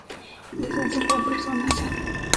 Desea salvar personas.